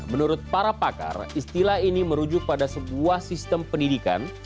menurut para pakar istilah ini merujuk pada sebuah sistem pendidikan